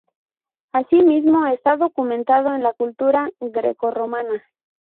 Asimismo está documentado en la cultura greco-romana.